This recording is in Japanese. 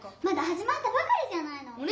まだはじまったばかりじゃないの。